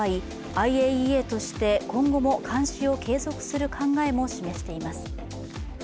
ＩＡＥＡとして今後も監視を継続する考えも示しています。